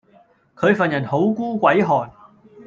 佢份人好孤鬼寒